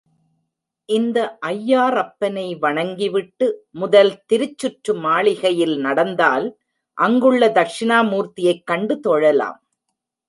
இந்த ஐயாறப்பனை வணங்கி விட்டு முதல் திருச்சுற்று மாளிகையில் நடந்தால் அங்குள்ள தக்ஷிணாமூர்த்தியைக் கண்டு தொழலாம்.